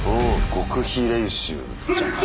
極秘練習じゃない？